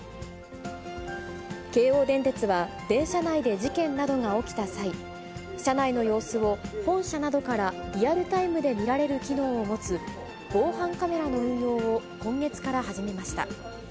京王電鉄は、電車内で事件などが起きた際、車内の様子を本社などからリアルタイムで見られる機能を持つ防犯カメラの運用を今月から始めました。